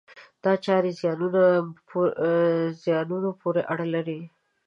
دا چارې زیانونو پورې اړه لري.